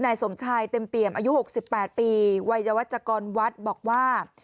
นายสมชายเต็มเปี่ยมอายุหกสิบแปดปีวัยวจกรวัดบอกว่า